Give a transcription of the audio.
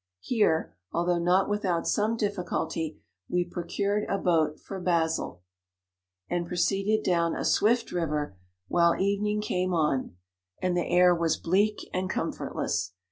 Here, although not without some dif ficulty, w r e procured a boat for Basle, and proceeded down & swift river, while evening came on, and the air 60 was bleak and comfortless.